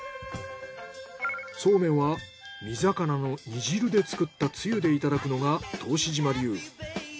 そうめんは煮魚の煮汁で作ったつゆでいただくのが答志島流。